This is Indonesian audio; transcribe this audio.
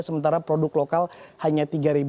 sementara produk lokal hanya tiga empat ratus